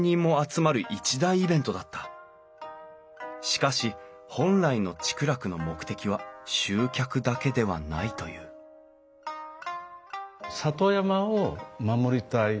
しかし本来の竹楽の目的は集客だけではないという里山を守りたい。